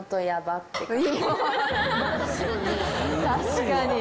確かに。